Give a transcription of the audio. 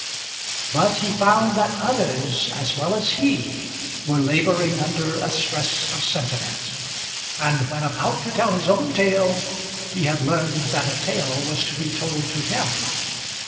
But he found that others, as well as he, were labouring under a stress of sentiment; and when about to tell his own tale, he had learned that a tale was to be told to him.